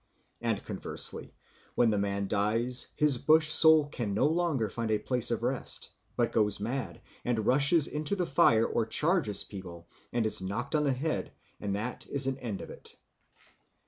And, conversely, when the man dies, his bush soul can no longer find a place of rest, but goes mad and rushes into the fire or charges people and is knocked on the head, and that is an end of it.